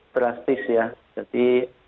drastis ya jadi